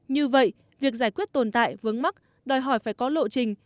như vậy việc giải quyết tồn tại vướng mắc đòi hỏi phải có lộ trình